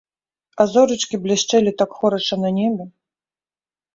А зорачкі блішчэлі так хораша на небе.